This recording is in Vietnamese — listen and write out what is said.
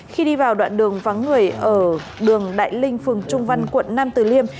khi đi vào đoạn đường vắng người ở đường đại linh phường trung văn quận nam từ liêm